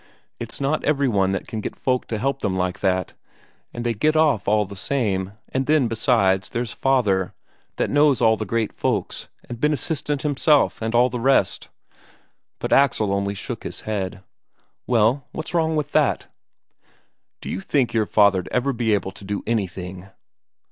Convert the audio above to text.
It's not every one that can get folk to help them like that, and they get off all the same. And then, besides, there's father, that knows all the great folks, and been assistant himself, and all the rest." But Axel only shook his head. "Well, what's wrong with that?" "D'you think your father'd ever be able to do anything?"